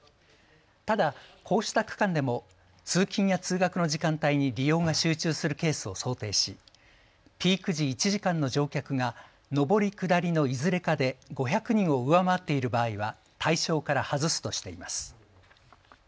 ただ、こうした区間でも通勤や通学の時間帯に利用が集中するケースを想定し、ピーク時１時間の乗客が上り下りのいずれかで５００人を上回っている場合は対象から外すとしています。